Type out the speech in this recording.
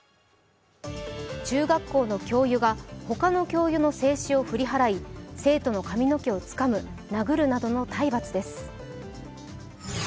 中学校の教諭が、他の教諭の制止を振り払い、生徒の髪の毛をつかむ、殴るなどの体罰です。